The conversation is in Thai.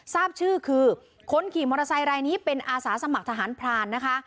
ทราบชื่อคือคนขี่มอเตอร์ไซค์รายนี้เป็นอาสาสมัครทหารพรานนะคะ